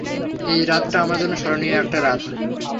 এই রাতটা আমার জন্য স্মরণীয় একটা রাত!